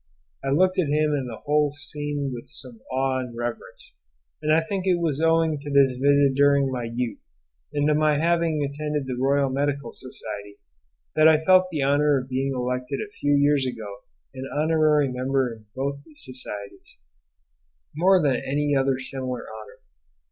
I looked at him and at the whole scene with some awe and reverence, and I think it was owing to this visit during my youth, and to my having attended the Royal Medical Society, that I felt the honour of being elected a few years ago an honorary member of both these Societies, more than any other similar honour.